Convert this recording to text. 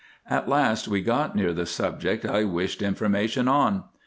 At last we got near the subject I wished information on.